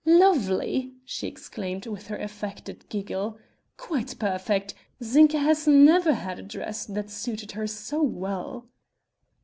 "Lovely!" she exclaimed, with her affected giggle, "quite perfect! Zinka has never had a dress that suited her so well."